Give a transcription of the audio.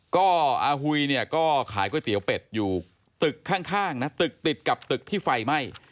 ก็อาหุยเนี่ยก็ขายก๋วยเตี๋ยวเป็ดอยู่ตึกข้างนะตึกติดกับตึกที่ไฟไหม้